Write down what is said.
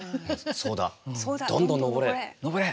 「そうだ、どんどんのぼれ」！